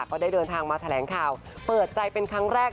ก็ได้เดินทางมาแถลงข่าวเปิดใจเป็นครั้งแรก